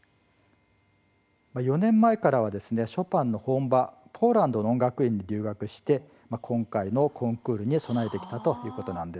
４年前からはショパンの本場ポーランドの音楽院に留学して今回のコンクールに備えてきたということなんです。